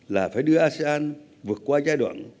là phải đưa asean vượt qua giai đoạn